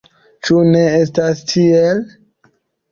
Ĉu ne estas tiel?